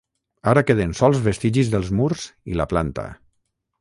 Ara queden sols vestigis dels murs i la planta.